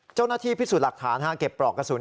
เจ้าหน้าที่พิสูจน์หลักฐานเก็บปลอกกระสุน